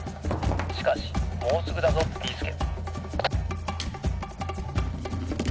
しかしもうすぐだぞビーすけ！」。